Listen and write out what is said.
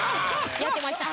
やってました。